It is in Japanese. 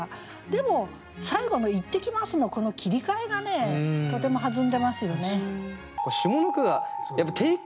でも最後の「いってきます」のこの切り替えがとても弾んでますよね。